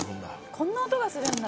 こんな音がするんだ